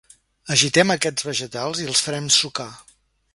Agitem aquests vegetals i els farem sucar.